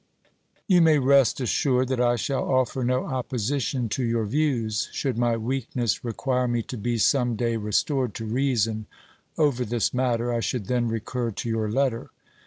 You may rest assured that I shall offer no opposition to your views ; should my weakness require me to be some day restored to reason over this matter, I should then recur to your letter.